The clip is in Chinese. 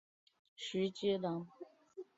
徐积人。